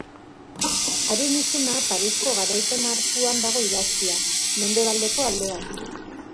Haren izena Parisko Garaipen Arkuan dago idatzia, mendebaldeko aldean.